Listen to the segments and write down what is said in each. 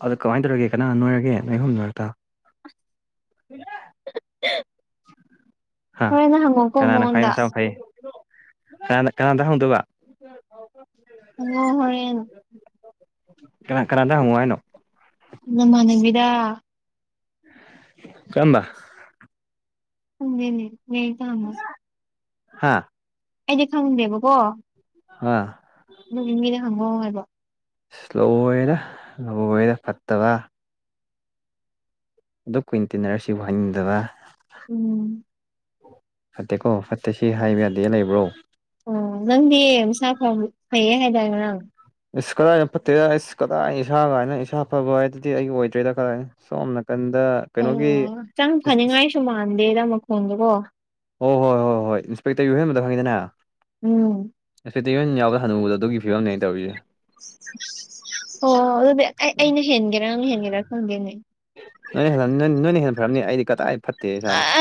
ꯑꯣ ꯑꯗꯣ ꯀꯃꯥꯏꯟ ꯇꯧꯔꯒꯦ ꯀꯅꯥꯅ ꯅꯣꯏꯔꯒꯦ ꯅꯣꯢ ꯑꯍꯨꯝꯒꯤ ꯃꯔꯛꯇ [unintelligible] ꯍꯥ ꯍꯣꯔꯦꯟꯅ ꯍꯪꯉꯣꯀꯣ ꯀꯅꯥꯅ ꯈ꯭ꯋꯥꯏ ꯃꯉꯣꯟꯗ ꯃꯁꯥ ꯐꯩ ꯀꯅꯥꯗ ꯀꯅꯥꯗ ꯍꯪꯗꯣꯕ ꯆꯪꯉꯛꯑꯣ ꯍꯣꯔꯦꯟ ꯀꯅꯥ ꯀꯅꯥꯗ ꯍꯪꯉꫭ ꯍꯥꯏꯅꯣ ꯅꯃꯥꯟꯅꯕꯤꯗꯥ ꯀꯔꯝꯕ ꯈꯪꯗꯦꯅꯦ ꯕꯦꯡꯇ ꯍꯪꯉꫭ ꯍꯥꯥ ꯑꯩꯗꯤ ꯈꯪꯗꯦꯕꯀꯣ ꯍꯥ ꯌꯨꯝꯒꯤ ꯃꯤꯗ ꯍꯪꯉꯣ ꯍꯥꯏꯕ ꯂꯣꯏꯔꯦꯗ ꯂꯣꯏꯔꯦꯗ ꯐꯠꯇꯕ ꯑꯗꯨꯛ ꯀꯨꯏꯟ ꯇꯤꯟꯅꯔ ꯁꯤꯕꫭꯛ ꯍꯥꯏꯅꯤꯡꯗꯕ ꯎꯝ ꯐꯠꯇꯦꯀꯣ ꯐꯠꯇꯦ ꯁꯤ ꯍꯥꯏꯕ ꯌꯥꯗꯦ ꯂꯩꯕ꯭ꯔꯣ ꯑꯣ ꯅꯪꯗꯤ ꯃꯁꯥ ꯐꯕ ꯐꯩꯌꯦ ꯍꯥꯏꯗꯥꯏ ꯉꯔꯥꯡ ꯏꯁ ꯀꯗꯥꯏꯗ ꯐꯠꯇꯦꯗ ꯑꯩꯁ ꯀꯗꯥꯏ ꯏꯁꯥ ꯒꯥꯏꯅ ꯏꯁꯥ ꯐꯕ ꯍꯥꯏꯗꯨꯗꯤ ꯑꯩ ꯑꯣꯏꯗ꯭ꯔꯦꯗ [unintelligible] ꯁꯣꯝ ꯅꯥꯀꯟꯗ ꯀꯩꯅꯣꯒꯤ ꯑꯣ ꯍꯛꯆꯥꯡ ꯐꯅꯤꯡꯉꯥꯏꯁꯨ ꯃꯥꯟꯗꯦꯗ ꯃꯈꯣꯟꯗꯨꯀꯣ ꯑꫭ ꯍꯣꯏ ꯑꫭ ꯍꯣꯏ ꯏꯟꯁꯄꯦꯛꯇꯔ ꯌꯨꯍꯦꯟꯕꯗꯣ ꯈꯪꯉꯤꯗꯅ ꯎꯝ [unintelligible] ꯍꯅꯨꯕꯗꫭ ꯑꯗꯨꯒꯤ ꯐꯤꯕꯝꯅꯦ ꯑꯩ ꯇꯧꯔꯤꯖꯦ ꯑꯣ ꯑꯗꯨꯗꯤ ꯑꯩ ꯑꯩꯅ ꯍꯦꯟꯒꯦꯔ ꯅꯪꯅ ꯍꯦꯟꯒꯦꯔ ꯈꯪꯗꯦꯅꯦ ꯅꯣꯏꯅ ꯍꯦꯜꯂꯝꯅꯤ ꯅꯣꯏꯅ ꯍꯦꯟꯅ ꯐꯔꯝꯅꯤ ꯑꯩꯗꯤ ꯀꯗꯥꯏ ꯐꯠꯇꯦꯍꯦ ꯏꯁꯥꯗꯤ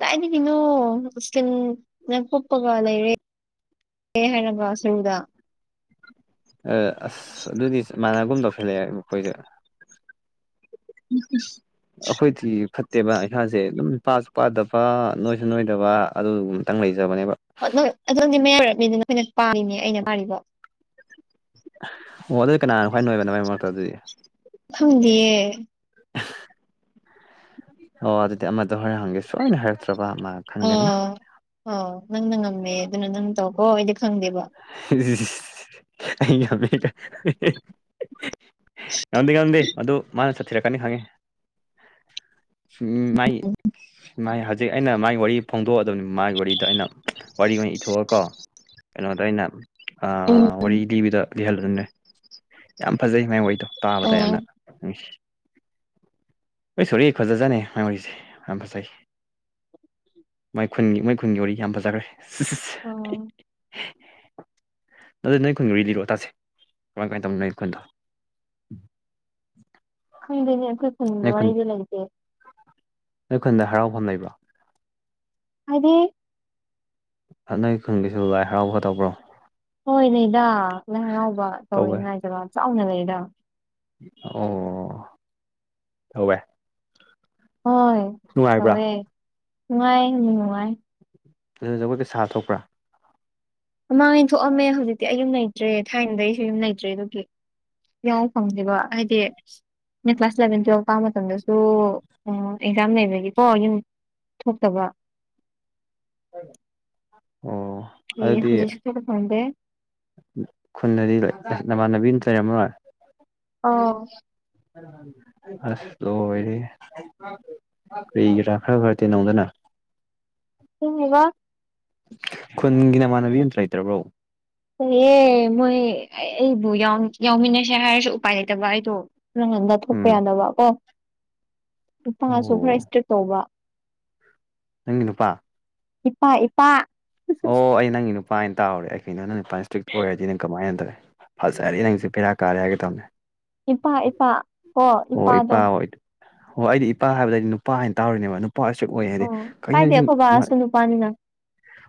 ꯀꯗꯥꯥꯏꯗꯒꯤꯅꯣ ꯁꯇ꯭ꯔꯤꯡꯅ ꯀꯨꯞꯄꯒ ꯂꯩꯔꯦ [unintelligible] ꯍꯥꯏꯔꯒ ꯁ꯭ꯇꯔꯤꯡꯗ ꯑ ꯑꯁ ꯑꯗꯨꯗꯤ ꯃꯥꯟꯅꯒꯨꯝ ꯇꯧꯁꯜꯂꯛꯑꯦ ꯑꯈꫭꯏꯗ [inaudible] ꯑꯈꯣꯏꯗꯤ ꯐꯠꯇꯦꯕ ꯏꯁꯥꯖꯦ ꯑꯗꯨꯝ ꯄꯥꯁꯨ ꯄꯥꯗꯕ ꯅꯣꯏꯁꯨ ꯅꯣꯏꯗꯕ ꯑꯗꯨꯒꯨꯝ ꯇꯪ ꯂꯩꯖꯕꯅꯦꯕ [unintelligible] ꯃꯌꯥꯝ ꯑꫭꯏꯔꯞꯅꯤꯗꯅ [unintelligible] ꯑꯣ ꯑꯗꯨꯗꯤ ꯀꯅꯥꯅ ꯈ꯭ꯋꯥꯏ ꯅꫭꯏꯕ [unintelligible] ꯃꯔꯛꯇ ꯑꯗꯨꯗꯤ ꯈꯪꯗꯤꯌꯦ ꯑꯣ ꯑꯗꯨꯗꯤ ꯑꯃꯗꯣ ꯍꯣꯔꯦꯟ ꯍꯪꯒꯦ ꯁꯣꯏꯅ ꯍꯥꯏꯔꯛꯇ꯭ꯔꯕ ꯃꯥ ꯈꯪꯒꯅꯤ ꯑꯥ ꯑꯣ ꯅꯪꯅ ꯉꯝꯃꯦ ꯑꯗꯨꯅ ꯅꯪ ꯇꯧꯀꯣ ꯑꯩꯗꯤ ꯈꯪꯗꯦꯕ [unintelligible] ꯑꯩꯅ ꯉꯝꯃꯦ [unintelligible] ꯉꯝꯗꯦ ꯉꯝꯗꯦ ꯑꯗꯨ ꯃꯥꯅ ꯊꯤꯔꯛꯀꯅꯦ ꯈꯪꯉꯦ ꯁꯨꯝ ꯃꯥꯏ ꯃꯥꯥꯏ ꯍꯧꯖꯤꯛ ꯑꯩꯅ ꯃꯥꯏ ꯋꯥꯔꯤ ꯐꯣꯡꯗꯣꯛꯑꯗꯝꯅꯤ ꯃꯥꯏ ꯋꯥꯔꯤꯗ ꯑꯩꯅ ꯋꯥꯔꯤ ꯑꯣꯏꯅ ꯏꯊꯣꯛꯑꯀꯣ ꯀꯩꯅꯣꯗ ꯑꯩꯅ ꯑꯥ ꯎꯝ ꯋꯥꯔꯤ ꯂꯤꯕꯗ ꯂꯤꯍꯜꯂꯗꯝꯅꯦ ꯌꯥꯝ ꯐꯖꯩ ꯃꯥꯏ ꯋꯥꯔꯤꯗꯣ ꯇꯥꯕꯗ ꯑꯣ ꯌꯥꯝꯅ [unintelligible] ꯑꯩꯁꯣꯔꯤ ꯐꯖꯖꯥꯠꯅꯦ ꯃꯥꯏ ꯋꯥꯔꯤꯖꯦ ꯌꯥꯝ ꯐꯖꯩ ꯃꯥꯏ ꯈꯨꯟꯒꯤ ꯃꯣꯏ ꯈꯨꯟꯒꯤ ꯋꯥꯔꯤ ꯌꯥꯝ ꯐꯖꯒ꯭ꯔꯦ [unintelligible] ꯑꯣ ꯑꯗꯨ ꯅꯣꯏ ꯈꯨꯟꯒꯤ ꯋꯥꯔꯤ ꯂꯤꯔꯛꯑꫭ ꯇꯥꯁꯦ ꯀꯝꯃꯥꯏ ꯀꯝꯃꯥꯏ ꯇꯧꯕꯅꫭ ꯅꯣꯏ ꯈꯨꯟꯗꯣ ꯈꯪꯗꯦꯅꯦ ꯑꯈꯣꯏ ꯈꯨꯟꯒꯤ ꯅꯣꯏ ꯈꯨꯟ ꯋꯥꯔꯤꯗꯤ ꯂꯩꯇꯦ ꯅꯣꯏ ꯈꯨꯟꯗ ꯍꯔꯥꯎꯐꯝ ꯂꯩꯕ꯭ꯔꯣ ꯍꯥꯏꯗꯤ ꯅꯣꯏ ꯈꯨꯟꯒꯤꯁꯨ ꯂꯥꯏ ꯍꯔꯥꯎꯕ ꯇꯧꯕ꯭ꯔꯣ ꯍꯣꯏ ꯅꯩꯗ ꯂꯥꯏ ꯍꯔꯥꯎꯕ ꯇꯧꯋꯦ ꯉꯥꯏꯖꯔ ꯆꯥꯎꯅ ꯂꯩꯗ ꯑꯣ ꯇꯧꯋꯦ ꯍꯣꯏ ꯇꯧꯋꯦ ꯅꯨꯡꯉꯥꯏ ꯅꯨꯡꯉꯥꯏ ꯑꯗꯨꯗ ꯖꯒꯣꯏꯒ ꯁꯥꯥ ꯊꯣꯛꯄ꯭ꯔꯥ ꯃꯃꯥꯡꯉꯩ ꯊꯣꯛꯑꯝꯃꯦ ꯍꯧꯖꯤꯛꯇꯤ ꯑꯩ ꯌꯨꯝ ꯂꯩꯇ꯭ꯔꯦ ꯊꯥꯏꯅꯗꯩꯁꯨ ꯌꯨꯝ ꯂꯩꯇ꯭ꯔꯦ ꯑꯗꯨꯒꯤ ꯌꯥꯎ ꯐꯪꯗꯦꯕ ꯍꯥꯏꯗꯤ ꯑꯩꯅ ꯀ꯭ꯂꯥꯁ ꯏꯂꯚꯦꯟ ꯇꯨꯋꯦꯜꯞ ꯀꯥ ꯃꯇꯝꯗꯁꯨ ꯑꯥ ꯑꯦꯛꯖꯥꯝ ꯂꯩꯕꯒꯤꯀꯣ ꯌꯨꯝ ꯊꯣꯛꯇꯕ ꯑꯣ ꯑꯦ ꯑꯗꯨꯗꯤ ꯍꯧꯖꯤꯁꯨ ꯌꯥꯎ ꯐꯪꯗꯦ ꯈꯨꯟꯗꯗꯤ ꯂꯣꯏ ꯅꯃꯥꯟꯅꯕꯤ ꯇꯥ ꯂꯩꯔꯝꯃꯔꯣꯏ ꯑꯣ ꯑꯁ ꯂꯣꯏꯔꯦꯍꯦ ꯀꯩꯒꯤꯔꯥ ꯈꯔ ꯈꯔ ꯇꯤꯅꯧꯗꯅ ꯗꯪꯗꯦꯗ ꯈꯨꯟꯒꯤ ꯅꯃꯥꯟꯅꯕꯤ ꯑꯝꯇ ꯂꯩꯇ꯭ꯔꯕꯣ ꯂꯩꯌꯦ ꯃꯣꯏ ꯑꯩꯕꯨ ꯌꯥꯎ ꯌꯥꯎꯃꯤꯟꯅꯁꯦ ꯍꯥꯏꯔꯁꯨ ꯎꯄꯥꯏ ꯂꯩꯇꯕ ꯑꯩꯗꯣ ꯅꯪꯅ ꯅꯠ ꯥꯊꯣꯛꯄ ꯎꯝ ꯌꯥꯗꯕ ꯀꯣ ꯏꯄꯥꯅꯁꯨ ꯈꯔ ꯑꯣ ꯏꯁꯇ꯭ꯔꯤꯛ ꯇꯧꯕ ꯅꯪꯒꯤ ꯅꯨꯄꯥ ꯏꯄꯥ ꯏꯄꯥ ꯑꯣ ꯑꯩ ꯅꯪꯒꯤ ꯅꯨꯄꯥꯅ ꯇꯥꯎꯔꯦ ꯑꯩ ꯀꯩꯅꯣ ꯅꯪ ꯅꯨꯄꯥꯁꯦ ꯁ꯭ꯇ꯭ꯔꯤꯛ ꯑꯣꯏꯔꯗꯤ ꯅꯪ ꯀꯃꯥꯏꯅ ꯇꯧꯋꯦ ꯐꯖꯔꯦ ꯅꯪꯁꯦ ꯕꯦꯔꯥ ꯀꯥꯔꯦ ꯍꯥꯏꯒꯦ ꯇꯧꯅꯦ ꯏꯄꯥ ꯏꯄꯥ ꯀꯣ ꯑꯣ ꯏꯄꯥꯗꯣ ꯏꯄꯥ ꯑꯣꯗꯤ ꯑꯣ ꯑꯩꯗꯤ ꯏꯄꯥ ꯍꯥꯏꯕꯗꯨꯗ ꯑꯩꯗꯤ ꯅꯨꯄꯥ ꯍꯥꯏꯅ ꯇꯔꯨꯔꯤꯅꯦꯕ ꯅꯨꯄꯥ ꯁ꯭ꯇ꯭ꯔꯤꯛ ꯑꯣꯏꯌꯦ ꯑꯣ ꯀꯥꯏꯗꯦ ꯑꯈꯣꯏꯕꯁꯣ ꯅꯨꯄꯥꯅꯤꯅ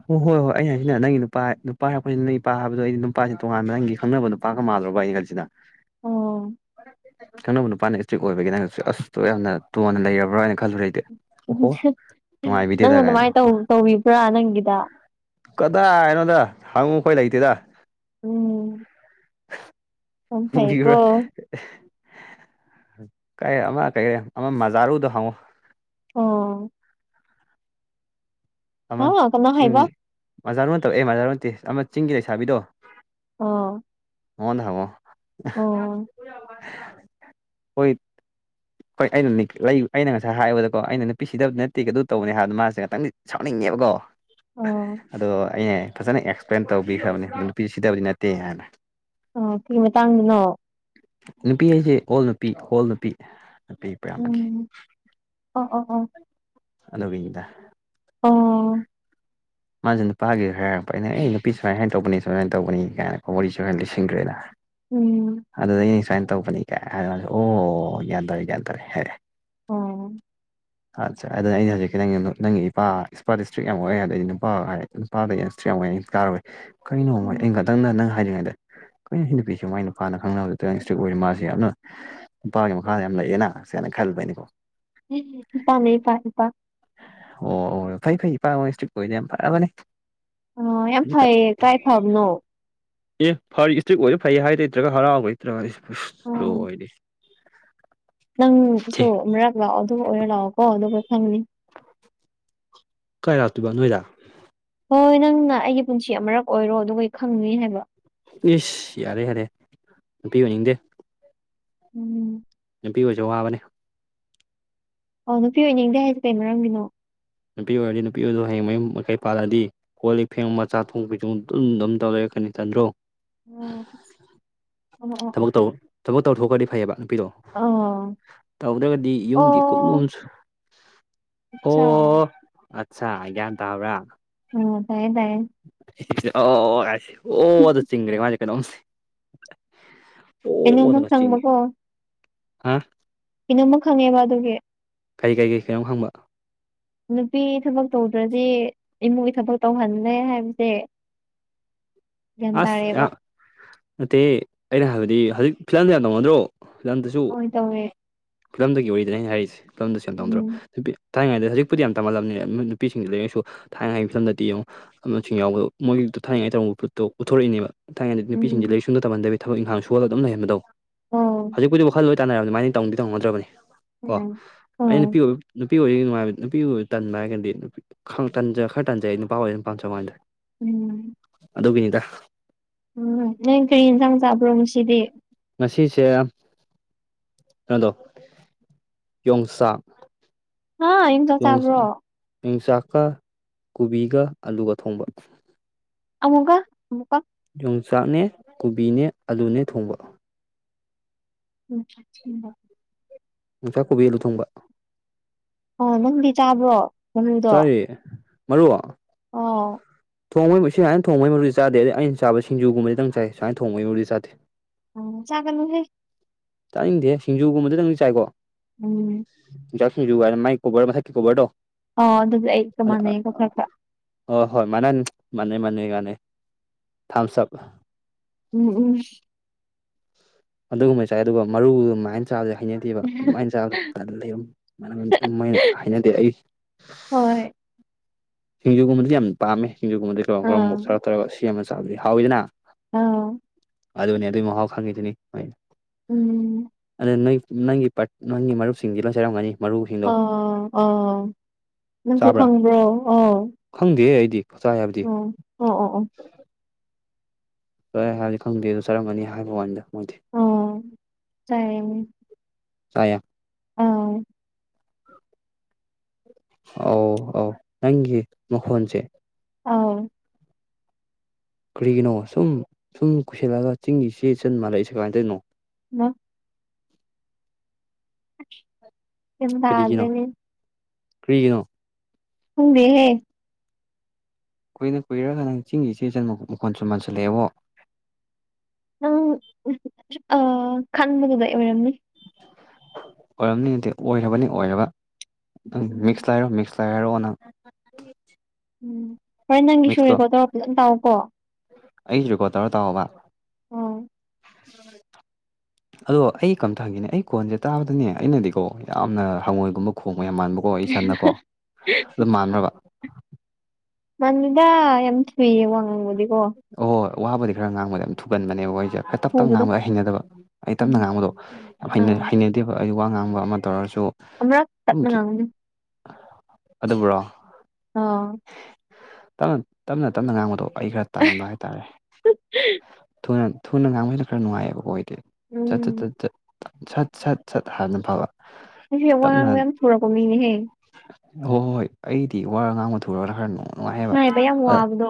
ꯍꯣꯏ ꯍꯣꯏ ꯍꯣꯏ ꯑꯩꯅ ꯍꯥꯏꯁꯤꯅ ꯅꯪꯒꯤ ꯅꯨꯄꯥ ꯅꯨꯄꯥ ꯍꯥꯏꯔꯛꯄꯅꯤꯅ ꯅꯪ ꯏꯄꯥ ꯍꯥꯏꯕꯗꯣ ꯑꯩꯗꯤ ꯅꯨꯄꯥꯁꯦ ꯇꯣꯉꯥꯟꯅ ꯅꯪꯒꯤ ꯈꯪꯅꯕꯗꯣ ꯄꯥꯒ ꯃꯥꯥꯜꯂꯨꯔꯕ ꯑꯩꯩꯅ ꯈꯜꯂꯤꯁꯤꯅ ꯑꯣ ꯈꯪꯅꯕ ꯅꯨꯄꯥꯅ ꯏꯁꯇ꯭ꯔꯤꯛ ꯑꯣꯏꯕꯒꯤ ꯅꯪꯅꯁꯨ ꯑꯁ ꯌꯥꯝꯅ ꯇꯣꯟꯅ ꯂꯩꯔꯕ꯭ꯔꯥ ꯍꯥꯏꯅ ꯈꯜꯂꯨꯔꯦ ꯑꯩꯗꯤ ꯑꯣꯍꯣ [unintelligible] ꯅꯪ ꯅꯨꯡꯉꯥꯏꯕꯤꯗꯦꯗ ꯑꯗꯨꯃꯥꯏ ꯀꯥꯏꯅ ꯇꯧ ꯇꯧꯕꯤꯕ꯭ꯔꯥ ꯅꯪꯒꯤꯗ ꯀꯗꯥꯏꯅꯣꯗ ꯍꯪꯉꯨ ꯑꯩꯈꯣꯏ ꯂꯩꯇꯦꯗ ꯎꯝ ꯌꯥꯝ ꯐꯩꯀꯣ ꯉꯝꯈꯤꯒ꯭ꯔꯣꯏ ꯀꯩꯩ ꯑꯃ ꯀꯩ ꯑꯃ ꯃꯖꯥꯔꯨꯗꯣ ꯍꯪꯉꯨ ꯑꯣ ꯑꯃ ꯍꯥ ꯀꯅꯥ ꯆꯤꯡ ꯍꯥꯏꯕ ꯃꯖꯥꯔꯨ ꯅꯠꯇꯕ ꯑꯦ ꯃꯖꯥꯔꯨ ꯅꯠꯇꯦ ꯑꯃ ꯆꯤꯡꯒꯤ ꯂꯩꯁꯥꯕꯤꯗꯣ ꯑꯣ ꯃꯉꯣꯟꯗ ꯍꯪꯉꯣ ꯑꯣ ꯍꯣꯏ ꯍꯣꯏ ꯑꯩꯅꯅꯦ ꯑꯩꯅ ꯉꯁꯥꯏ ꯍꯥꯏꯕꯗꯀꯣ ꯑꯩꯅ ꯅꯨꯄꯤ ꯁꯤꯗꯕ ꯅꯠꯇꯦ ꯑꯗꯨ ꯇꯧꯕꯅꯦ ꯍꯥꯏꯕꯗꯣ ꯃꯥꯁꯦ ꯉꯥꯛꯇꯪꯗꯤ ꯁꯥꯎꯅꯤꯡꯉꯦꯕꯀꯣ ꯑꯣ ꯑꯗꯣ ꯑꯩꯅ ꯐꯖꯅ ꯑꯦꯛꯁꯄ꯭ꯂꯦꯟ ꯇꯧꯕꯤꯈ꯭ꯔꯕꯅꯦ ꯅꯨꯄꯤ ꯁꯤꯗꯕꯗꯤ ꯅꯠꯇꯦ ꯍꯥꯏꯅ ꯑꯣ ꯀꯔꯤ ꯃꯇꯥꯡꯗꯅꯣ ꯅꯨꯄꯤ ꯍꯥꯏꯁꯦ ꯑꯣꯜ ꯅꯨꯄꯤ ꯑꯣꯜ ꯅꯨꯄꯤ ꯅꯨꯄꯤ ꯄꯌꯥꯝꯕꯒꯤ ꯎꯝ ꯑꯣ ꯑꯣ ꯑꯣ ꯑꯗꯨꯒꯤꯅꯤꯗ ꯑꯣ ꯃꯥꯁꯦ ꯅꯨꯄꯥꯒꯤ ꯈꯔ ꯍꯥꯏꯔꯛꯄ ꯑꯩꯅ ꯑꯩ ꯅꯨꯄꯤ ꯁꯨꯃꯥꯏꯅ ꯍꯥꯏꯅ ꯇꯧꯕꯅꯤ ꯁꯨꯃꯥꯏꯅ ꯇꯧꯕꯅꯤ ꯀꯥꯏꯅꯀꯣ ꯋꯥꯔꯤ ꯈꯔ ꯂꯤꯁꯤꯟꯈ꯭ꯔꯦ ꯑꯩꯅ ꯎꯝ ꯑꯗꯨꯗꯩ ꯑꯩꯅ ꯁꯨꯃꯥꯏꯅ ꯇꯧꯕꯅꯤꯗ ꯍꯥꯏꯔꯦ ꯃꯥꯁꯨ ꯑꯣ ꯒ꯭ꯌꯥꯟ ꯇꯥꯔꯦ ꯒ꯭ꯌꯥꯟ ꯇꯥꯔꯦ ꯍꯥꯏꯔꯛꯑꯦ ꯎꯝ ꯑꯠꯆꯥ ꯑꯗꯨꯅꯦ ꯑꯩꯅ ꯍꯧꯖꯤꯛꯀꯤ ꯅꯪ ꯅꯪꯒꯤ ꯏꯄꯥ ꯏꯄꯥ ꯁ꯭ꯇ꯭ꯔꯤꯛ ꯌꯥꯝ ꯑꯣꯏꯌꯦ ꯍꯥꯏꯗꯤ ꯅꯨꯄꯥ ꯍꯥꯏ ꯅꯨꯄꯥꯗꯣ ꯁ꯭ꯇ꯭ꯔꯤꯛ ꯌꯥꯝ ꯑꯣꯌꯦ ꯇꯥꯔꯨꯔꯦ ꯀꯩꯅꯣ ꯑꯩꯅ ꯎꯝ ꯈꯜꯂꯦ ꯅꯪꯅ ꯅꯪ ꯍꯥꯏꯗ꯭ꯔꯤꯉꯩꯗ ꯀꯩꯅꯣ ꯁꯤ ꯅꯨꯄꯤꯁꯤꯕꯨ ꯃꯥꯏ ꯅꯨꯄꯥꯅ ꯈꯪꯅꯕ ꯂꯩꯇꯤ ꯁ꯭ꯇ꯭ꯔꯤꯛ ꯑꯣꯏꯔꯤ ꯃꯥꯁꯦ ꯌꯥꯝꯅ ꯅꯨꯄꯥꯒꯤ ꯃꯈꯥꯗ ꯌꯥꯝ ꯂꯩꯌꯦꯅ ꯁꯦꯡꯅ ꯈꯜꯂꯨꯕꯩꯅꯤꯀꯣ ꯎꯝ ꯏꯄꯥꯅꯦ ꯏꯞꯥ ꯏꯄꯥ ꯑꯣ ꯑꯣ ꯐꯩ ꯐꯩ ꯏꯄꯥꯍꯣꯏ ꯁꯇ꯭ꯔꯤꯛ ꯑꯣꯏꯔꯤꯗꯣ ꯌꯥꯝ ꯐꯔꯕꯅꯦ ꯑꯣ ꯌꯥꯝ ꯐꯩꯌꯦ ꯀꯥꯏ ꯐꯕꯅꯣ ꯑꯦ ꯐꯔꯤ ꯁꯇ꯭ꯔꯤꯛ ꯑꯣꯏꯔꯤꯗꯣ ꯐꯩ ꯍꯥꯏꯒꯦ ꯂꯩꯇ꯭ꯔꯒ ꯍꯔꯥꯎꯒꯦ ꯂꯩꯇ꯭ꯔꯒ ꯏꯁ ꯑꯥ ꯂꯣꯏꯔꯦꯍꯦ ꯅꯪꯁꯨ ꯑꯃꯔꯛ ꯂꯥꯛꯑꯣ ꯑꯗꯨ ꯑꯣꯏꯔ ꯂꯥꯛꯑꯣꯀꯣ ꯑꯗꯨꯒ ꯈꯪꯒꯅꯤ ꯀꯥꯏ ꯂꯥꯛꯇꯣꯏꯕ ꯅꯣꯏꯗ ꯍꯣꯏ ꯅꯪꯅ ꯑꯩꯒꯤ ꯄꯨꯟꯁꯤ ꯑꯃꯔꯛ ꯑꯣꯏꯔꯣ ꯑꯗꯨꯒ ꯈꯪꯅꯤ ꯍꯥꯏꯕ ꯏꯁ ꯌꯥꯔꯦ ꯌꯥꯔꯦ ꯅꯨꯄꯤ ꯑꯣꯏꯅꯤꯡꯗꯦ ꯎꯝ ꯅꯨꯄꯤ ꯑꯣꯏꯕꯁꯦ ꯋꯥꯕꯅꯦ ꯑꯣ ꯅꯨꯄꯤ ꯑꯣꯏꯅꯤꯡꯗꯦ ꯍꯥꯏꯁꯦ ꯀꯩ ꯃꯔꯝꯒꯤꯅꯣ ꯅꯨꯄꯤ ꯑꯣꯏꯔꯗꯤ ꯅꯨꯄꯤ ꯑꯣꯏꯔꯗꯣ ꯍꯌꯦꯡ ꯃꯌꯨꯝ ꯃꯀꯩ ꯄꯥꯜꯂꯗꯤ ꯀꯣꯜ ꯂꯤꯛ ꯐꯦꯡꯕ ꯆꯥꯛ ꯊꯣꯡ ꯄꯤꯊꯣꯡ ꯑꯗꯨꯝ ꯑꯗꯨꯝ ꯇꯧ ꯂꯩꯔꯛꯀꯅꯤ ꯇꯟꯗ꯭ꯔꯣ ꯎꯝ ꯊꯕꯛ ꯇꯧ ꯊꯕꯛ ꯇꯧꯊꯣꯛꯈ꯭ꯔꯗꯤ ꯐꯩꯌꯦꯕ ꯥꯅꯨꯄꯤꯗꯣ ꯑꯣ ꯇꯧꯗ꯭ꯔꯒꯗꯤ ꯌꯨꯝꯒꯤ ꯀꯨꯞꯅꯣꯝ ꯑꯣ ꯑꯆꯥ ꯑꯣ ꯑꯠꯆꯥ ꯒꯤꯌꯥꯟ ꯇꯥꯕ꯭ꯔ ꯑꯣ ꯇꯥꯏꯌꯦ ꯇꯥꯏꯌꯦ ꯑꯣ ꯀꯥꯏ ꯑꯣ ꯗꯣ ꯆꯤꯡꯈ꯭ꯔꯦ ꯃꯥꯁꯦ ꯀꯩꯅꯣꯝꯁꯦ ꯑꯣ ꯀꯩꯅꯣꯝꯃ ꯅꯒ ꯆꯤꯡꯒꯤ ꯈꯪꯕꯀꯣ ꯍꯥ ꯀꯩꯅꯣꯝꯃ ꯈꯪꯉꯦꯕ ꯑꯗꯨꯒꯤ ꯀꯔꯤ ꯀꯔꯤ ꯀꯔꯤꯒꯤ ꯀꯩꯅꯣꯝ ꯍꯪꯕ ꯅꯨꯄꯤ ꯊꯕꯛ ꯇꯧꯗ꯭ꯔꯗꯤ ꯏꯃꯨꯡꯒꯤ ꯊꯕꯛ ꯇꯧꯍꯜꯂꯦ ꯍꯥꯏꯕꯁꯦ ꯒ꯭ꯌꯥꯟ ꯑꯁ ꯇꯥꯔꯦꯕ ꯌꯥꯝ ꯅꯠꯇꯦ ꯑꯩꯅ ꯍꯥꯏꯕꯗꯤ ꯍꯧꯖꯤꯛ ꯐꯤꯂꯝꯗ ꯌꯥꯝ ꯇꯧꯅꯗ꯭ꯔꯣ ꯐꯤꯂꯝꯗꯁꯨ ꯍꯣꯏ ꯇꯧꯋꯦ ꯂꯝꯗꯒꯤ ꯑꯣꯏꯗ꯭ꯔꯦꯅꯦ ꯍꯥꯏꯔꯤꯁꯦ ꯐꯤꯂꯝꯗꯁꯨ ꯌꯥꯝ ꯇꯧꯅꯗ꯭ꯔꯣ ꯎꯝ ꯅꯨꯄꯤ ꯊꯥꯏꯅꯉꯩꯗ ꯍꯧꯖꯤꯛꯄꯨꯗꯤ ꯌꯥꯝ ꯇꯝꯍꯜꯂꯝꯅꯤꯕ ꯅꯨꯄꯤꯁꯤꯡꯗ ꯂꯥꯏꯔꯤꯛ ꯂꯥꯏꯁꯨ ꯊꯥꯏꯅꯉꯩꯒꯤ ꯐꯤꯂꯝꯗꯗꯤ ꯌꯦꯡꯉꯣ ꯑꯗꯨ ꯌꯥꯎꯕ ꯃꯣꯏꯒꯤꯗꯣ ꯊꯥꯅꯤꯡꯉꯩ ꯇꯝꯃꯛꯄ ꯇꯣ ꯎꯊꯣꯔꯛꯏꯅꯦꯕ ꯊꯥꯏꯅꯉꯩꯗꯗꯤ ꯅꯨꯄꯤꯁꯤꯡ ꯎꯝ ꯂꯥꯏꯔꯤꯛꯁꯨ ꯑꯃꯇ ꯇꯝꯍꯟꯗꯕꯤ ꯊꯕꯛ ꯏꯪꯈꯥꯡ ꯁꯨꯍꯜꯂ ꯑꯗꯨꯝ ꯂꯩꯍꯟꯕꯗꯣ ꯎꯝ ꯍꯧꯖꯤꯛꯄꯨꯗꯤ ꯋꯥꯈꯜ ꯂꯣꯏ ꯇꯥꯟꯅꯔꯕꯅꯦ ꯑꯗꯨꯃꯥꯏꯅ ꯇꯧꯗꯤ ꯇꯧꯅꯗ꯭ꯔꯕꯅꯤ ꯀꯣ ꯎꯝ ꯑꯩꯅ ꯎꯝ ꯅꯨꯄꯤ ꯑꯣꯏꯕ ꯅꯨꯄꯤ ꯑꯣꯏ ꯅꯨꯡꯉꯥꯏꯕ ꯅꯨꯄꯤ ꯑꯣꯏ ꯇꯟꯕ ꯍꯥꯏꯔꯒꯗꯤ ꯅꯨꯄꯤ ꯈꯟ ꯈꯔ ꯇꯟꯖꯩ ꯅꯨꯄꯥ ꯑꯣꯏꯅ ꯄꯝꯖ ꯋꯥꯅꯤꯗ ꯎꯝ ꯑꯗꯨꯒꯤꯅꯤꯗ ꯎꯝ ꯅꯪ ꯀꯔꯤ ꯌꯦꯟꯁꯥꯡ ꯆꯥꯕ꯭ꯔꯣ ꯉꯁꯤꯗꯤ ꯉꯁꯤꯁꯦ ꯀꯩꯅꯣꯗꯣ ꯌꯣꯡꯆꯥꯛ ꯍꯥ ꯌꯦꯟꯁꯥꯡ ꯌꯣꯡ ꯆꯥꯕ꯭ꯔꯣ ꯃꯣꯡꯆꯥꯛꯀ ꯀꯣꯕꯤꯒ ꯑꯂꯨꯒ ꯊꯣꯡꯕ ꯑꯃꯨꯛꯀ ꯑꯃꯨꯛꯀ ꯌꯣꯡꯆꯥꯛꯅꯦ ꯀꯣꯕꯤꯅꯦ ꯑꯂꯨꯅꯦ ꯊꯣꯡꯕꯣ ꯎꯝ [unintelligible] ꯥꯌꯣꯡꯆꯥꯛ ꯀꯣꯕꯤ ꯑꯂꯨ ꯊꯣꯡꯕ ꯑꯥ ꯅꯪꯗꯤ ꯆꯥꯕ꯭ꯔꯣ ꯃꯔꯨꯗꯣ ꯆꯥꯏꯌꯦ ꯃꯔꯨ ꯑꯣ ꯊꯣꯡꯕꯩ ꯁꯨꯃꯥꯏꯅ ꯊꯣꯡꯕꯒꯤ ꯃꯔꯨꯗꯤ ꯆꯥꯗꯦ ꯑꯗ ꯑꯩꯅꯥ ꯆꯥꯕꯗꯤ ꯁꯤꯡꯖꯨꯒꯨꯝꯕꯗꯤꯇꯪ ꯆꯥꯏ ꯁꯨꯃꯥꯏꯅ ꯊꯣꯡꯕꯒꯤ ꯃꯔꯨꯗꯤ ꯆꯥꯗꯦ ꯎꯝ ꯆꯥꯒꯅꯨꯍꯦ ꯇꯥꯅꯤꯡꯗꯦꯍꯦ ꯁꯤꯡꯨꯒꯨꯝꯕꯗ ꯗꯪꯗꯤ ꯆꯥꯏꯀꯣ ꯎꯝ ꯌꯣꯡꯆꯥꯛ ꯁꯤꯡꯖꯨ ꯀꯥꯏꯅ ꯃꯥꯥꯏ ꯀꯣꯚꯔ ꯃꯊꯛꯀꯤ ꯀꯣꯕꯔꯗꯣ ꯑꯣ ꯑꯗꯨꯗꯤ ꯑꯩ ꯀ ꯑꯗ ꯑ ꯃꯥꯟꯅꯩꯀꯣ ꯈꯔ ꯈꯔ ꯑꯣ ꯍꯣꯏ ꯃꯥꯅꯟ ꯃꯥꯅꯩ ꯃꯥꯅꯩ ꯃꯥꯅꯩ ꯊꯝꯁꯞ ꯎꯝ ꯎꯝ ꯑꯗꯨꯒꯨꯝꯕꯩ ꯆꯥꯏ ꯑꯗꯨꯒ ꯃꯔꯨ ꯑꯗꯨꯃꯥꯏꯅ ꯆꯥꯕꯁꯦ ꯍꯩꯅꯗꯦꯕ ꯑꯗꯨꯃꯥꯏꯅ ꯆꯥꯕꯗꯣ ꯇꯜꯂꯦꯕ ꯑꯗꯨ ꯃꯥꯏꯅ ꯍꯩꯅꯗꯦ ꯑꯩ ꯍꯣꯏ ꯁꯤꯡꯖꯨꯒꯨꯝꯕꯗꯨꯗꯤ ꯌꯥꯝ ꯄꯥꯝꯃꯦ ꯁꯤꯡꯖꯨꯒꯨꯝꯕꯗꯤ ꯀꯥꯡꯉꯧ ꯈꯔ ꯑꯥ ꯃꯣꯔꯣꯛ ꯁꯥꯔꯞ ꯇꯧꯔꯒ ꯁꯦꯝꯃ ꯆꯥꯕꯗꯤ ꯍꯥꯎꯋꯤꯗꯅ ꯑꯧ ꯑꯗꯨꯅꯦ ꯑꯗꯨꯏ ꯃꯍꯥꯎ ꯈꯪꯉꯤꯗꯨꯅꯤ ꯍꯣꯏ ꯎꯝ ꯑꯗꯨꯏ ꯅꯣꯏ ꯅꯪꯒꯤ ꯄꯥꯔ ꯅꯪꯒꯤ ꯃꯔꯨꯞꯁꯤꯡꯗꯤ ꯂꯣꯏ ꯆꯥꯔꯝꯒꯅꯤ ꯃꯔꯨꯁꯤꯡꯗꯣ ꯑꯧ ꯑꯧ ꯅꯪꯁꯨ ꯈꯪꯕ꯭ꯔꯣ ꯑꯣ ꯈꯪꯗꯦꯍꯦ ꯑꯩꯗꯤ ꯆꯥꯏ ꯍꯥꯏꯕꯗꯤ ꯑꯧ ꯑꯣ ꯑꯣ ꯑꯣ ꯆꯥꯏ ꯍꯥꯏꯕꯗꯤ ꯈꯪꯗꯦ ꯑꯗꯣ ꯆꯔꯝꯒꯅꯤ ꯍꯥꯏꯕ ꯋꯥꯅꯤꯗ ꯃꯣꯏꯗꯤ ꯑꯣ ꯆꯥꯏ ꯍꯥꯏꯝꯅꯤ ꯆꯥꯏꯌꯦ ꯑꯥ ꯑꯧ ꯑꯧ ꯅꯪꯒꯤ ꯃꯈꯣꯟꯁꯦ ꯑꯥꯎ ꯀ꯭ꯔꯤꯒꯤꯅꯣ ꯁꯨꯝ ꯁꯨꯝ ꯀꯨꯏꯁꯜꯂꯑꯒ ꯆꯤꯡꯒꯤ ꯏꯆꯦ ꯏꯆꯟ ꯃꯥꯜꯂꯛꯏꯁꯦ ꯀꯃꯥꯏ ꯇꯣꯏꯅꯣ ꯅꯠ [inaudible] ꯀꯔꯤꯒꯤꯅꯣ ꯇꯥꯗ꯭ꯔꯦꯅꯦ ꯀ꯭ꯔꯤꯒꯤꯅꯣ ꯈꯪꯗꯦꯍꯦ ꯀꯨꯏꯔ ꯀꯨꯏꯔꯒ ꯅꯪ ꯆꯤꯡꯒꯤ ꯏꯆꯦ ꯏꯆꯟ ꯃꯈꯣꯟ ꯃꯥꯟ ꯁꯨꯝ ꯃꯟꯁꯜꯂꯛꯑꯦꯕꯣ ꯅꯪ ꯑꯥ ꯈꯟꯕꯗꯨꯗꯩ ꯑꯣꯏꯔꯝꯅꯤ ꯑꯣꯏꯔꯝꯅꯤꯗꯤ ꯑꯣꯏꯔꯕꯅꯤ ꯑꯣꯏꯔꯕ ꯅꯪ ꯎꯝ ꯃꯤꯛꯁꯂ ꯍꯥꯏꯔꯣ ꯃꯤꯛꯁ ꯇ ꯍꯥꯏꯔꯑꯣ ꯅꯪ ꯎꯝ ꯍꯣꯔꯦꯟ ꯅꯪꯒꯤ ꯁꯨꯔꯦꯀꯣ ꯇꯧꯔꯛꯄꯗꯣ ꯎꯨꯝ ꯇꯥꯑꯣꯀꯣ ꯑꯩꯒꯤ ꯔꯦꯀꯣꯔꯗ ꯇꯧꯔ ꯇꯥꯎꯑꯣꯕ ꯑꯥ [inaudible] [inaudible] ꯑꯗꯣ ꯑꯩ ꯀꯝꯇ ꯍꯪꯒꯦꯅꯦ ꯑꯩ ꯀꯣꯟꯖꯦ ꯇꯥꯕꯗꯅꯦ ꯑꯩꯅꯗꯤꯀꯣ ꯌꯥꯝꯅ ꯍꯉꯣꯏꯒꯨꯝꯕ ꯈꯣꯡꯕ ꯌꯥꯝ ꯃꯥꯟꯕ ꯑꯣ ꯏꯁꯟꯅꯀꯣ ꯑꯗꯨꯝ ꯃꯥꯟꯕ꯭ꯔꯕ ꯃꯥꯟꯗꯦꯗꯥ ꯌꯥꯝ ꯊꯨꯏꯌꯦ ꯋꯥ ꯉꯥꯡꯕꯗꯤꯀꯣ ꯑꯣ ꯋꯥꯕꯨꯗꯤ ꯈꯔ ꯉꯥꯡꯕꯗ ꯌꯥꯝ ꯊꯨꯒꯟꯕꯅꯦꯕꯀꯣ ꯑꯩꯖꯦ ꯑ ꯇꯞ ꯇꯞ ꯊꯨꯕꯗꯣ ꯉꯥꯡꯕꯗꯣ ꯑꯩ ꯍꯩꯅꯗꯕ ꯑꯩ ꯎꯝ ꯇꯞꯅ ꯉꯥꯡꯕꯗꯣ ꯌꯥꯝ ꯍꯩꯅ ꯑꯥ ꯍꯩꯅ ꯇꯦꯕ ꯑꯩ ꯋꯥ ꯉꯥꯡꯕ ꯑꯃ ꯇꯧꯔꯁꯨ ꯑꯃꯔꯛ ꯇꯞꯅ ꯑꯗꯨꯝ ꯉꯥꯡꯉꯨꯅꯦ ꯑꯗꯨꯕꯨꯔꯣ ꯑꯥ ꯇꯞꯅ ꯇꯞꯅ ꯇꯞꯅ ꯉꯥꯡꯕꯗꯣ ꯑꯩ ꯈꯔ ꯇꯟꯕ ꯍꯥꯏꯇꯥꯔꯦ ꯊꯨꯅ ꯊꯨꯅ ꯉꯥꯡꯕꯁꯤꯅ ꯈꯔ ꯅꯨꯡꯉꯥꯏꯌꯦꯕꯀꯣ ꯑꯩꯗꯤ ꯆꯠ ꯆꯠ ꯎꯝ ꯆꯠ ꯇꯠ ꯁꯠ ꯁꯠ ꯁꯠ ꯍꯥꯟꯅ ꯐꯕ ꯑꯩꯁꯦ ꯋꯥ ꯉꯥꯡꯕ ꯌꯥꯝ ꯊꯨꯔꯛꯄ ꯃꯤꯅꯤꯍꯦ ꯍꯣ ꯍꯣꯏ ꯑꯩꯗꯤ ꯋꯥ ꯉꯥꯡꯕ ꯊꯨꯔꯒꯅ ꯈꯔ ꯅꯨꯡꯉꯥꯏꯑꯦꯕ ꯉꯥꯏꯕ ꯌꯥꯝ ꯑ ꯋꯥꯕꯗꯣ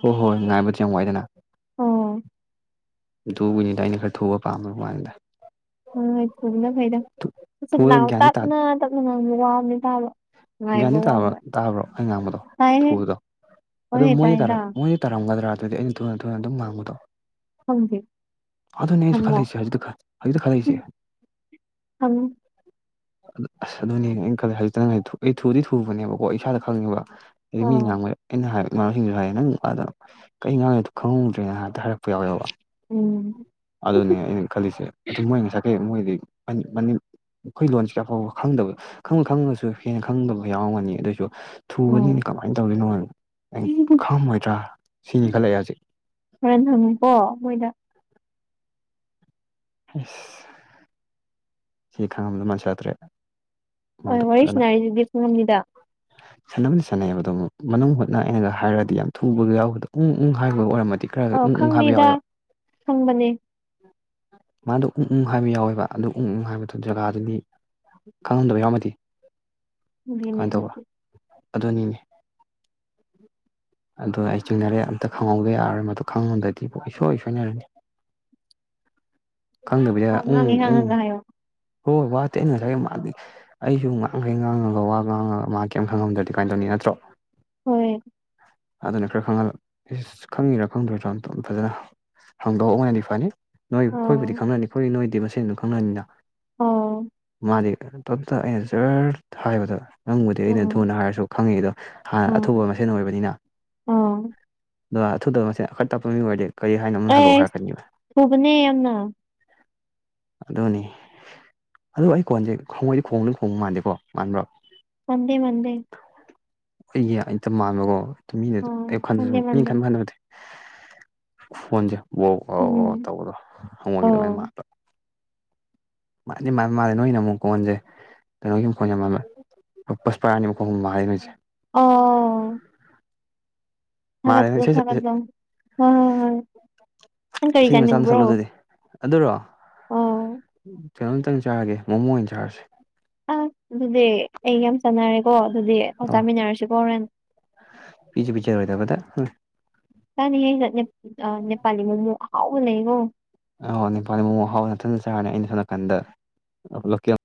ꯍꯣ ꯍꯣꯏ ꯉꯥꯏꯕꯗꯤ ꯌꯥꯝ ꯋꯥꯏꯗꯅꯥ ꯑꯣ ꯗꯨꯕꯅꯤꯗ ꯑꯩꯅ ꯈꯔ ꯊꯨꯕ ꯄꯥꯝꯕꯩ ꯋꯥꯅꯤꯗꯥ ꯍꯣ ꯍꯣꯏ ꯊꯨꯕꯅ ꯐꯩꯗ ꯊꯨꯕꯗ [unintelligible] ꯒ꯭ꯌꯥꯟꯗꯤ ꯇꯞꯅ ꯇꯞꯅ ꯉꯥꯡꯕ ꯋꯥꯕꯅꯦ ꯇꯥꯕ ꯒ꯭ꯌꯥꯟꯗꯤ ꯉꯥꯏꯕ ꯇꯥꯕ꯭ꯔꯣ ꯋꯥꯕ ꯇꯥꯕ꯭ꯔꯣ ꯑꯩ ꯉꯥꯡꯕꯗꯣ ꯇꯥꯏꯍꯦ ꯊꯨꯕꯗꯣ ꯑꯗꯣ ꯍꯣꯏꯍꯦ ꯃꯣꯏꯌꯦ ꯇꯥꯏꯗ ꯇꯥꯔꯛ ꯃꯣꯏ ꯇꯥꯔꯝꯒꯗ꯭ꯔꯥ ꯑꯗꯨꯗꯤ ꯑꯩꯅ ꯊꯨꯅ ꯊꯨꯅ ꯑꯗꯨꯝ ꯉꯥꯡꯕꯗꯣ ꯈꯪꯗꯦ ꯑꯗꯨꯅꯦ ꯑꯩꯁꯨ ꯍꯪꯉꯣ ꯈꯜꯂꯤꯁꯦ ꯍꯧꯖꯤꯛꯇ ꯈꯜ ꯍꯧꯖꯤꯛꯇ ꯈꯜꯂꯛꯏꯖꯦ ꯑꯪ ꯑꯁ ꯑꯗꯨꯅꯤꯅꯦ ꯑꯩꯅ ꯈꯜꯂꯤ ꯍꯖꯤꯛꯇꯅꯦ ꯊꯣ ꯑꯩ ꯊꯨꯗꯤ ꯊꯨꯕꯅꯦꯕꯀꯣ ꯏꯁꯥꯗ ꯈꯪꯉꯦꯕ ꯍꯥꯏꯗꯤ ꯃꯤ ꯑꯣ ꯉꯥꯡꯕꯗ ꯑꯩꯅ ꯍꯥꯏ ꯏꯃꯥꯟꯅꯕꯁꯤꯡꯖꯨ ꯍꯥꯏꯌꯦ ꯅꯪ ꯋꯥꯗꯣ ꯑꯩ ꯉꯥꯡꯏꯗꯣ ꯈꯪꯍꯧꯗ꯭ꯔꯦꯅ ꯍꯦꯇ ꯍꯥꯏꯔꯛꯄ ꯌꯥꯎꯋꯦꯕ ꯎꯝ ꯑꯗꯨꯅꯦ ꯑꯩꯅ ꯈꯜꯂꯤꯁꯦ ꯑꯗꯨ ꯃꯣꯏ ꯉꯁꯥꯏꯈꯩ ꯃꯣꯏꯒꯤ ꯑꯟ ꯃꯅꯤꯡ ꯈꯣꯏ ꯂꯣꯟꯁꯤꯔ ꯐꯥꯎꯕ ꯈꯪꯗꯕ ꯈꯪꯕꯨ ꯈꯪꯉꯁꯨ ꯍꯦꯟꯅ ꯈꯪꯗꯕ ꯌꯥꯎꯔꯝꯒꯅꯤ ꯑꯗꯨꯏꯖꯨ ꯊꯨꯕꯅꯤꯅꯦ ꯎꯝ ꯀꯃꯥꯏꯅ ꯇꯧꯗꯣꯏꯅꯣꯅ ꯑꯩ ꯈꯥꯝꯃꯣꯏꯗ꯭ꯔꯥ ꯁꯤꯅꯤ ꯈꯜꯂꯑꯦ ꯑꯩꯌꯥꯛꯖꯦ ꯍꯣꯔꯦꯟ ꯍꯪꯉꯨꯀꯣ ꯃꯣꯏꯗ ꯍꯩꯁ ꯁꯤ ꯈꯪꯉꯝꯗꯧ ꯃꯥꯟꯁꯜꯂꯛꯇ꯭ꯔꯦ ꯍꯣꯏ ꯃꯣꯏꯗꯣ ꯋꯥꯔꯤ ꯐꯖꯅ ꯁꯥꯟꯅꯔꯤꯗꯨꯗꯤ ꯈꯪꯉꯝꯅꯤꯗ [inaudible] ꯁꯥꯟꯅꯕꯨꯗꯤ ꯁꯥꯟꯅꯩꯑꯦꯕꯗꯣ ꯃꯅꯨꯡ ꯍꯨꯠꯅ ꯑꯩꯅꯒ ꯍꯥꯏꯔꯗꯤ ꯌꯥꯝ ꯊꯨꯕꯗꯣ ꯌꯥꯎꯕꯗꯣ ꯎꯪ ꯎꯪ ꯍꯥꯏꯒꯗꯧ ꯑꯣꯏꯔꯝꯃꯗꯤ ꯈꯔ ꯑꯣ ꯎꯪ ꯎꯪ ꯍꯥꯏꯕ ꯈꯪꯉꯤꯗꯥ ꯌꯥꯎꯋꯦꯕ ꯈꯪꯕꯅꯦ ꯃꯥꯗꯣ ꯎ ꯎꯪ ꯍꯥꯏꯕ ꯌꯥꯎꯋꯦꯕ ꯑꯗꯨ ꯎ ꯎꯡ ꯍꯥꯏꯕꯗꯨ ꯖꯒꯥꯗꯨꯗꯤ ꯈꯪꯉꯝꯗꯕ ꯌꯥꯎꯝꯃꯗꯤ ꯑꯗꯨꯒꯤꯅꯦ ꯀꯃꯥꯏꯅ ꯇꯧꯕꯥ ꯑꯗꯨꯅꯤꯅꯦ ꯑꯗꯣ ꯑꯩ ꯆꯤꯡꯅꯔꯦ ꯑꯝꯇ ꯈꯪꯍꯧꯗ ꯌꯥꯔꯣꯏ ꯃꯗꯨ ꯈꯪꯗꯗꯤ ꯏꯨꯁꯣꯏ ꯁꯣꯏꯅꯔꯅꯤ ꯈꯪꯗꯕꯤꯗ ꯋꯥ ꯎꯝ ꯉꯥꯡꯉꯤ ꯎꯝ ꯉꯥꯡꯉꯒ ꯍꯥꯏꯌꯣ ꯍꯣꯏ ꯋꯥ ꯇꯦ ꯑ ꯉꯁꯥꯏ ꯃꯥ ꯑꯩꯁꯨ ꯉꯥꯡꯈꯩ ꯉꯥꯡꯉꯒ ꯋꯥ ꯉꯥꯡꯉꯒ ꯃꯥ ꯀꯩꯝꯇ ꯈꯪꯉꯝꯗ꯭ꯔꯗꯤ ꯀꯃꯥꯏꯅ ꯇꯧꯅꯤ ꯅꯠꯇ꯭ꯔꯣ ꯍꯣꯏ ꯑꯗꯨꯅ ꯈꯔ ꯈꯪꯍꯜꯂ ꯏꯁ ꯈꯪꯉꯤꯔꯥ ꯈꯪꯗ꯭ꯔꯁꯨ ꯑꯝꯇ ꯐꯖꯅ ꯍꯪꯗꯣꯛꯍꯧꯕꯅꯗꯤ ꯐꯅꯤ ꯅꯣꯏ ꯑꯥ ꯑꯩꯈꯣꯏꯕꯨꯗꯤ ꯈꯪꯅꯅꯤ ꯑꯩꯈꯣꯏ ꯅꯣꯏꯗꯤ ꯃꯁꯦꯟꯗꯨ ꯈꯪꯅꯅꯤꯅ ꯑꯣ ꯃꯥꯗꯤ ꯇꯣꯝꯇ ꯑꯩꯅ ꯖꯔ ꯍꯥꯏꯕꯗ ꯅꯪꯕꯨꯗꯤ ꯑꯩꯅ ꯑꯥ ꯊꯨꯅ ꯍꯥꯏꯔꯁꯨ ꯈꯪꯏ ꯑꯗꯣ ꯍꯥꯟꯅ ꯑꯊꯨꯕ ꯑꯥ ꯃꯁꯦꯟ ꯑꯣꯏꯕꯅꯤꯅ ꯑꯥ ꯑꯗꯣ ꯑꯊꯨꯗꯕ ꯃꯁꯦꯟ ꯈꯔ ꯇꯞꯄ ꯃꯤ ꯑꯣꯏꯔꯗꯤ ꯀꯔꯤ ꯍꯥꯏꯅꯣ ꯑꯃꯨꯛ ꯍꯜꯂꯛꯑꯣ ꯑꯩꯁ ꯍꯥꯏꯔꯛꯀꯅꯤꯕ ꯊꯨꯕꯅꯦ ꯌꯥꯝꯅ ꯑꯗꯨꯅꯤ ꯑꯗꯣ ꯑꯩ ꯈꯣꯟꯁꯦ ꯍꯉꯣꯏꯗꯤ ꯈꯣꯡꯕꯗꯧ ꯈꯣꯡꯕ ꯃꯥꯟꯗꯦꯀꯣ ꯃꯥꯟꯕ꯭ꯔꯣ ꯃꯟꯗꯦ ꯃꯟꯗꯦ ꯑꯩꯒꯤ ꯍꯦꯛꯇ ꯃꯥꯟꯕꯀꯣ ꯑꯗꯨ ꯃꯤꯅꯟꯁꯨ ꯑꯥ ꯑꯩꯋꯥꯈꯟꯗꯁꯨ ꯃꯥꯟꯗꯦ ꯃꯤ ꯃꯥꯟꯗꯦ ꯈꯟꯕ ꯈꯟꯗꯕ ꯅꯠꯇꯦ ꯈꯣꯟꯖꯦ ꯋꯣ ꯎꯝ ꯍꯪꯉꯣꯏꯒꯤ ꯑꯗꯨꯃꯥꯏꯅ ꯑꯣ ꯃꯥꯟꯄ ꯃꯥꯟꯗꯤ ꯃꯥꯟꯃꯥꯜꯂꯦ ꯅꯣꯏꯅ ꯑꯃꯨꯛ ꯈꯣꯟꯁꯦ ꯀꯩꯅꯣꯒꯤ ꯃꯈꯣꯟ ꯌꯥꯝ ꯃꯥꯟꯕ ꯄꯨ ꯄꯨꯁꯄꯔꯥꯅꯤ ꯃꯈꯣꯟꯕꯨ ꯃꯥꯜꯂꯤ ꯅꯣꯏꯁꯦ ꯑꯥꯎ ꯃꯥꯂꯦ ꯅꯪ ꯏꯁꯩꯁꯛ ꯏꯁꯩ ꯊꯥꯒꯠꯂꯣ ꯍꯣꯏ ꯍꯣꯏ ꯍꯣꯏ ꯅꯪ ꯀꯔꯤ ꯏꯁꯩ ꯃꯆꯥ ꯑꯃꯇ ꯆꯥꯅꯤꯡꯕ꯭ꯔꯣ ꯁꯛꯂꯛꯑꯣ ꯑꯗꯨꯗꯤ ꯑꯗꯨꯔꯣ ꯑꯣ ꯀꯩꯅꯣꯝꯇꯪ ꯆꯥꯔꯒꯦ ꯃꯣꯃꯣ ꯑꯣꯏꯅ ꯆꯥꯔꯁꯦ ꯑꯁ ꯑꯗꯨꯗꯤ ꯑꯩ ꯌꯥꯝ ꯆꯥꯟꯅꯔꯦꯀꯣ ꯑꯗꯨꯗꯤ ꯑꯧ ꯆꯥꯃꯤꯟꯅꯔꯁꯤꯀꯣ ꯍꯣꯔꯦꯟ ꯄꯤꯖꯨ ꯄꯤꯖꯔꯣꯏꯗꯕꯗ ꯍꯨꯡ [unintelligible] ꯅꯦꯄꯥꯂꯤ ꯃꯣꯃꯣ ꯑꯍꯥꯎꯕ ꯂꯩꯉꯣ ꯑꯣ ꯅꯤꯄꯥꯂꯤ ꯃꯣꯃꯣ ꯑꯍꯥꯎꯕ ꯅꯊꯟꯗ ꯆꯥꯔꯦ ꯑꯩꯅ ꯁꯣꯝ ꯅꯥꯀꯟꯗ [unintelligible]